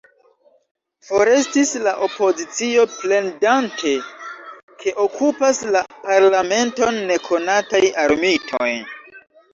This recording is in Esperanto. Forestis la opozicio, plendante, ke okupas la parlamenton nekonataj armitoj.